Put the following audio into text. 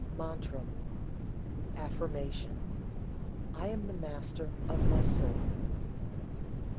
MANTRAM (AFFIRMATION). I AM THE MASTER OF MY SOUL.